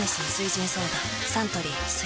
サントリー「翠」